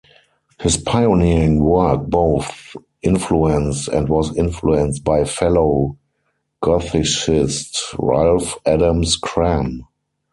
His pioneering work both influenced and was influenced by fellow Gothicist Ralph Adams Cram.